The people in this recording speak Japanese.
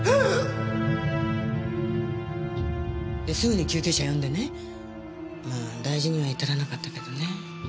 ですぐに救急車呼んでねまあ大事には至らなかったけどね。